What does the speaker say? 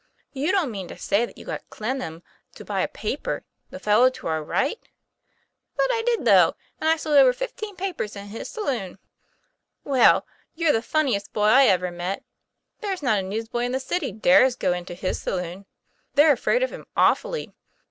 'You don't mean to say that you got Clennam to buy a paper the fellow to our right ?" 'But I did, though; and I sold over fifteen papers in his saloon." ' Well, you're the funniest boy I ever met. There's not a newsboy in the city dares go into his saloon. They're afraid of him awfully."